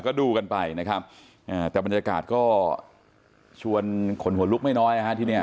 ก็ดูกันไปนะครับอ่าแต่บรรยากาศก็ชวนขนหัวลุกไม่น้อยนะฮะที่เนี้ย